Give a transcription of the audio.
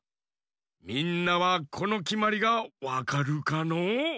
みんなはこのきまりがわかるかのう？